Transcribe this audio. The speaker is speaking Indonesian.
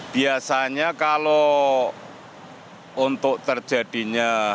biasanya kalau untuk terjadinya